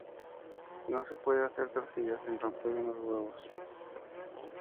No se puede hacer tortilla sin romper unos huevos